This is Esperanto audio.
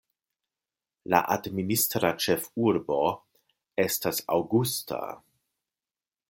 La administra ĉefurbo estas Augusta.